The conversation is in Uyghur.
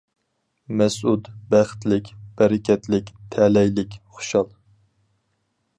مەسئۇد : بەختلىك، بەرىكەتلىك، تەلەيلىك، خۇشال.